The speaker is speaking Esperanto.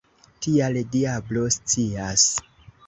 Tial diablo scias!